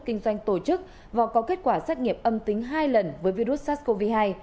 kinh doanh tổ chức và có kết quả xét nghiệm âm tính hai lần với virus sars cov hai